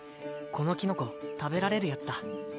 このキノコ食べられるやつだ